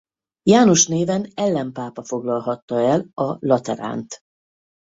János néven ellenpápa foglalhatta el a Lateránt.